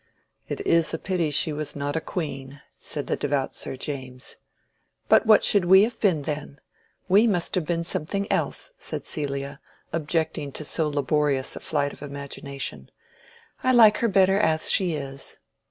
"It is a pity she was not a queen," said the devout Sir James. "But what should we have been then? We must have been something else," said Celia, objecting to so laborious a flight of imagination. "I like her better as she is."